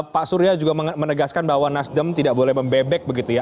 pak surya juga menegaskan bahwa nasdem tidak boleh membebek begitu ya